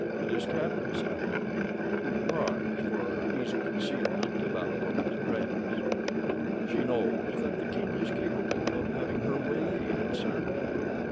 It is cabinet size. Too large for easy concealment about a woman's dress. She knows that the king is capable of having her waylaid and searched.